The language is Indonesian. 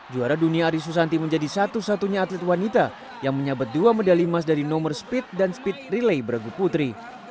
juara dunia ari susanti menjadi satu satunya atlet wanita yang menyabet dua medali emas dari nomor speed dan speed relay beragu putri